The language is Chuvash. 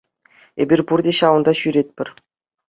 Эпир пурте ҫавӑнта ҫӳретпӗр.